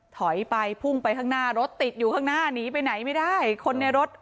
ถอยไปพุ่งไปข้างหน้ารถติดอยู่ข้างหน้าหนีไปไหนไม่ได้คนในรถ